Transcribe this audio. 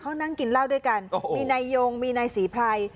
เขานั่งกินเล่าด้วยกันโอ้โหมีนายยงมีนายศรีพราย